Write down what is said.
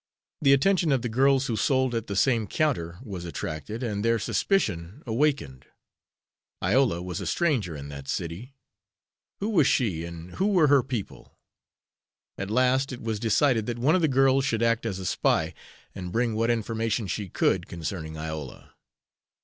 The attention of the girls who sold at the same counter was attracted, and their suspicion awakened. Iola was a stranger in that city. Who was she, and who were her people? At last it was decided that one of the girls should act as a spy, and bring what information she could concerning Iola.